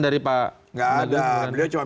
dari pak mendag gak ada beliau cuma